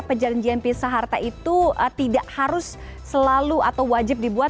perjanjian pizza harta itu tidak harus selalu atau wajib dibuat